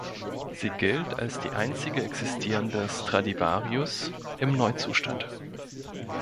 Sie gilt als die einzige existierende Stradivarius im „Neuzustand“.